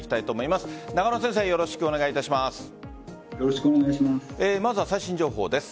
まずは最新情報です。